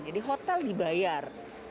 jadi hotel dibayar